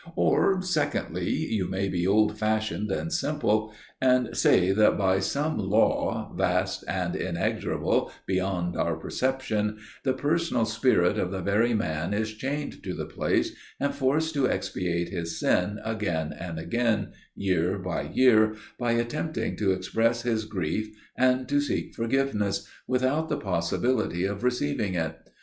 "Or, secondly, you may be old fashioned and simple, and say that by some law, vast and inexorable, beyond our perception, the personal spirit of the very man is chained to the place, and forced to expiate his sin again and again, year by year, by attempting to express his grief and to seek forgiveness, without the possibility of receiving it.